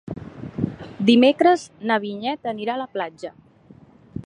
Dimecres na Vinyet anirà a la platja.